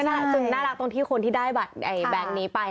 จึงน่ารักตรงที่คนที่ได้บัตรแบงค์นี้ไป